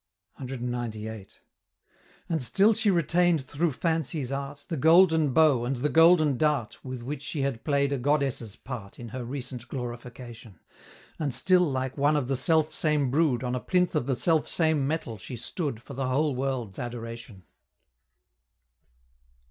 CXCVIII. And still she retain'd through Fancy's art The Golden Bow, and the Golden Dart, With which she had play'd a Goddess's part In her recent glorification: And still, like one of the selfsame brood, On a Plinth of the selfsame metal she stood For the whole world's adoration.